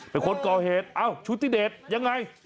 เป็นคนก่อเหตุชุตติเดทยังไง